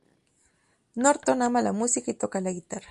Norton ama la música y toca la guitarra.